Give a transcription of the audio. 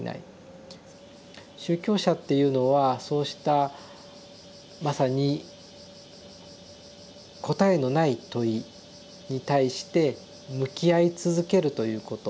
宗教者っていうのはそうしたまさに答えのない問いに対して向き合い続けるということ。